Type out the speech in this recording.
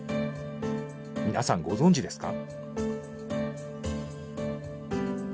皆さんご存じですか？